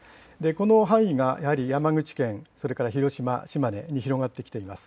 この範囲がやはり山口県、それから広島、島根に広がってきています。